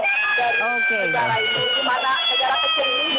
sejarah ini dimana negara kecil ini